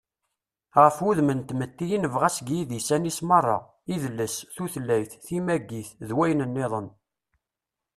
ɣef wudem n tmetti i nebɣa seg yidisan-is meṛṛa: idles, tutlayt, timagit, d wayen-nniḍen